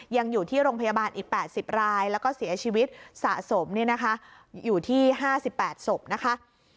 ยังอยู่ที่โรงพยาบาลอีก๘๐รายแล้วก็เสียชีวิตสะสมอยู่ที่๕๘ศพนะคะ